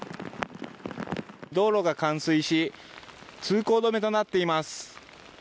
道路が冠水し、通行止めとなっています。